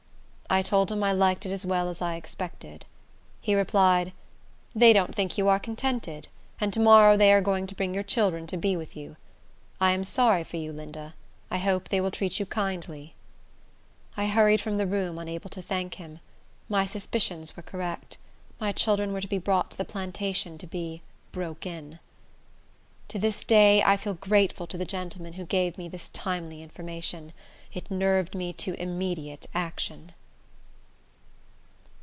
I told him I liked it as well as I expected. He replied, "They don't think you are contented, and to morrow they are going to bring your children to be with you. I am sorry for you, Linda. I hope they will treat you kindly." I hurried from the room, unable to thank him. My suspicions were correct. My children were to be brought to the plantation to be "broke in." To this day I feel grateful to the gentleman who gave me this timely information. It nerved me to immediate action.